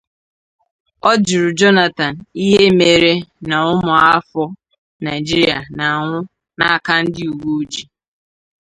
Ọ jụrụ Jonathan ihe mere na ụmụ afọ Nigeria na-anwụ n’aka ndị uwe ojii